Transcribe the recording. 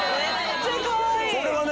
それはね